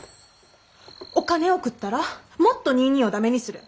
お金送ったらもっとニーニーを駄目にする。